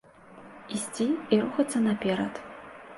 Ісці і рухацца наперад.